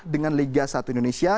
dengan liga satu indonesia